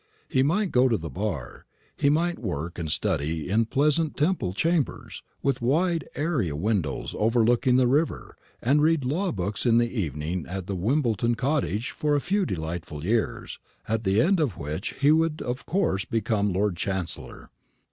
He might go to the bar, he might work and study in pleasant Temple chambers, with wide area windows overlooking the river, and read law books in the evening at the Wimbledon cottage for a few delightful years, at the end of which he would of course become Lord Chancellor.